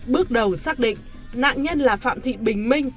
bước đầu xác định nạn nhân là phạm thị bình minh